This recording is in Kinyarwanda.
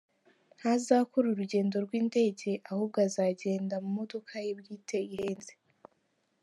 Ntazakora urugendo rw’indege ahubwo azagenda mu modoka ye bwite ihenze.